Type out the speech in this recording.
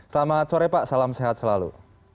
selamat sore pak salam sehat selalu